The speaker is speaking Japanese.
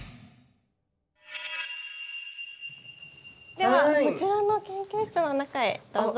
ではこちらの研究室の中へどうぞ。